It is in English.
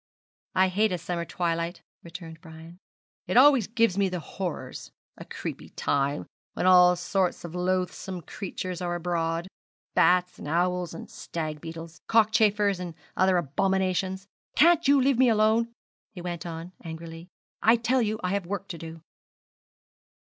'I hate a summer twilight,' returned Brian; 'it always gives me the horrors a creepy time, when all sorts of loathsome creatures are abroad bats, and owls, and stag beetles, cockchafers, and other abominations. Can't you let me alone?' he went on, angrily. 'I tell you I have work to do.'